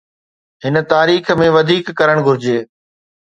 هن تاريخ ۾ وڌيڪ ڪرڻ گهرجي.